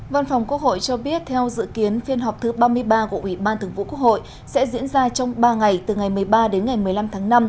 văn phòng quốc hội cho biết theo dự kiến phiên họp thứ ba mươi ba của ủy ban thường vụ quốc hội sẽ diễn ra trong ba ngày từ ngày một mươi ba đến ngày một mươi năm tháng năm